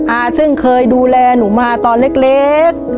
อาซึ่งเคยดูแลหนูมาตอนเล็ก